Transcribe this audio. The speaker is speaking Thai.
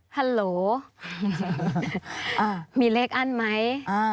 ฮัลโหลมีเลขอั้นไหม